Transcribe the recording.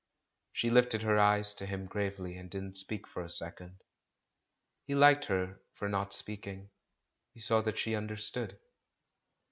She hfted her eyes to him gravely, and didn't speak for a second. He liked her for not speak ing — he saw that she understood.